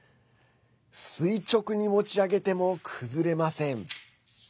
垂直に持ち上げても崩れません。